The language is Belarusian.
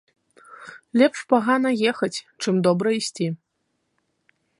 Лепш пагана ехаць, чым добра ісці